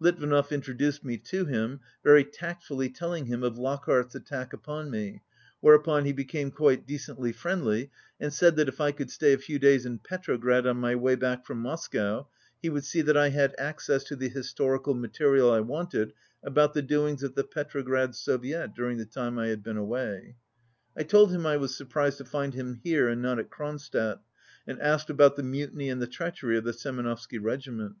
Litvinov intro duced me to him, very tactfully telling him of Lockhart's attack upon me, whereupon he became quite decently friendly, and said that if I could stay a few days in Petrograd on my way back from Moscow he would see that I had access to the his torical material I wanted about the doings of the Petrograd Soviet during the time I had been away. I told him I was surprised to find him here and not at Kronstadt, and asked about the mutiny and the treachery of the Semenovsky regiment.